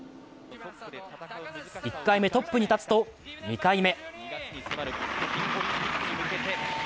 １回目トップに立つと２回目。